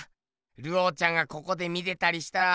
ルオーちゃんがここで見てたりしたら。